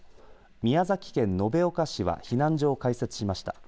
宮崎県延岡市は避難所を開設しました。